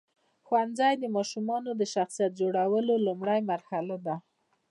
ښوونځی د ماشومانو د شخصیت جوړونې لومړۍ مرحله ده.